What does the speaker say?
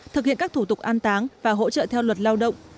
thực hiện các thủ tục an táng và hỗ trợ theo luật lao động